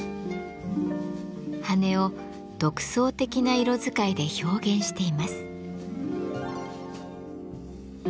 羽を独創的な色使いで表現しています。